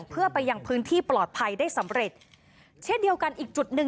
และก็จับกลุ่มฮามาสอีก๒๖คน